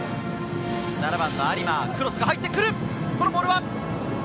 ７番・有馬、クロスが入ってくる。